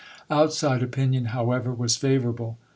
Outside opinion, however, was favourable.